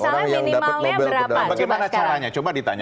bagaimana caranya coba ditanya